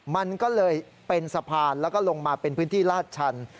มันก็เลยเป็นสะพานแล้วก็ลงมาเป็นพื้นที่ลาดชัน